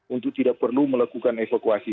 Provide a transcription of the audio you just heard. untuk tidak perlu melakukan evakuasi